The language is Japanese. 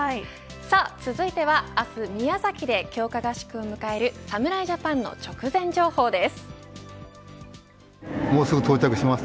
続いては明日宮崎で強化合宿を迎える侍ジャパンの直前情報です。